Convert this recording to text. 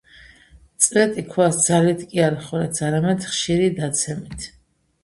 წვეთი ქვას ძალით კი არ ხვრეტს არამედ ხშირი დაცემით.